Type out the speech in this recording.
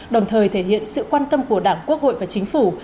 đồng thời thể hiện sự quan tâm của đảng quốc hội và chính phủ